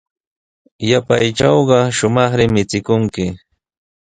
Yapaytrawqa shumaqri michikunki.